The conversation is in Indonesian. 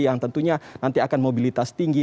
yang tentunya nanti akan mobilitas tinggi